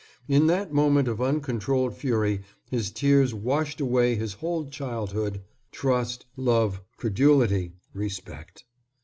In that moment of uncontrolled fury his tears washed away his whole childhood, trust, love, credulity, respect.